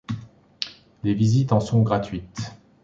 Les visites en sont gratuites.